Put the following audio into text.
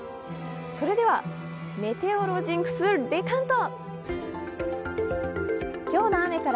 それではメテオロジンクス・レカント！